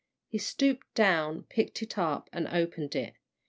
He stooped down, picked it up, and opened it.